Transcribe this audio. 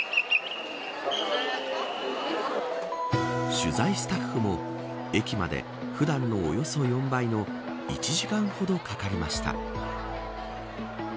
取材スタッフも駅まで普段のおよそ４倍の１時間ほどかかりました。